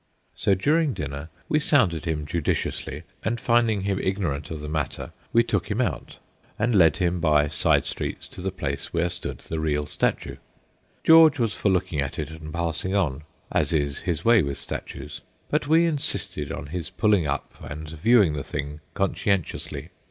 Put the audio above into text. So during dinner we sounded him, judiciously; and finding him ignorant of the matter, we took him out, and led him by side streets to the place where stood the real statue. George was for looking at it and passing on, as is his way with statues, but we insisted on his pulling up and viewing the thing conscientiously.